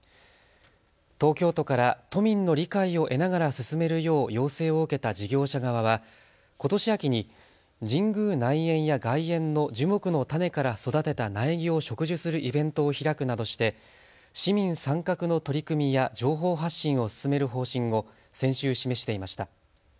東京都から都民の理解を得ながら進めるよう要請を受けた事業者側は、ことし秋に神宮内苑や外苑の樹木の種から育てた苗木を植樹するイベントを開くなどして市民参画の取り組みや情報発信を進める方針を先週、示していました。